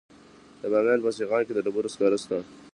د بامیان په سیغان کې د ډبرو سکاره شته.